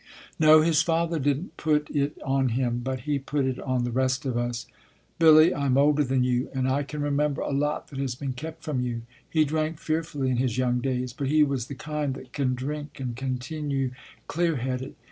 " No, his father didn t put it on him ; but he put it on the rest of us. Billy, I am older than you, and I can remember a lot that has been kept from you. He drank fearfully in his young days, but he was the kind that can drink and continue clear headed.